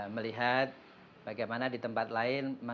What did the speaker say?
melihat bagaimana di tempat lain